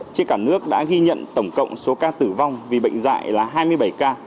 trên cả nước đã ghi nhận tổng cộng số ca tử vong vì bệnh dạy là hai mươi bảy ca